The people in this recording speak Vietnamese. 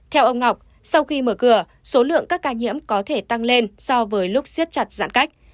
theo ông ngọc sau khi mở cửa số lượng các ca nhiễm có thể tăng lên so với lúc siết chặt giãn cách